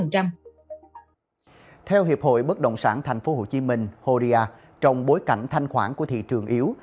theo hiệp hội bất động sản tp hcm horia trong bối cảnh thanh khoản của thị trường yếu